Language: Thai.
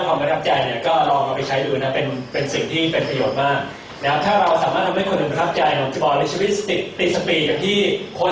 วันนี้ผมฝากไว้แค่นี้ก่อนขอบคุณมากทุกคน